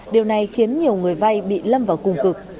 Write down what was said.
điều này khiến nhiều người vay bị lâm vào cùng cực